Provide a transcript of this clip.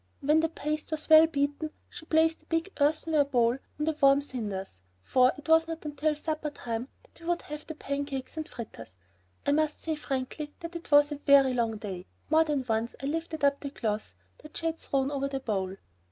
When the paste was well beaten she placed the big earthenware bowl on the warm cinders, for it was not until supper time that we were to have the pancakes and fritters. I must say frankly that it was a very long day, and more than once I lifted up the cloth that she had thrown over the bowl.